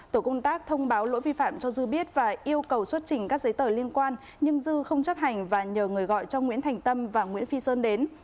tổ công tác thông báo lỗi vi phạm cho dư biết và yêu cầu xuất trình các giấy tờ liên quan nhưng dư không chấp hành và nhờ người gọi cho nguyễn thành tâm và nguyễn phi sơn đến